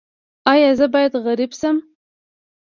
ایا زه باید غریب شم؟